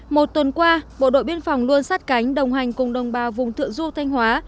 một tuần qua bộ đội biên phòng luôn sát cánh đồng hành cùng đồng bào vùng thượng du thanh hóa